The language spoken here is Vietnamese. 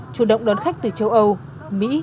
chủ động đón khách từ châu âu mỹ